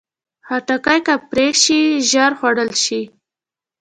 خټکی که پرې شي، ژر خوړل شي.